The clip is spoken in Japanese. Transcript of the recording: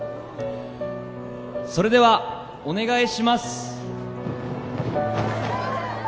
それではお願いします